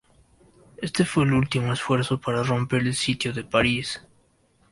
Este fue el último esfuerzo para romper el sitio de París.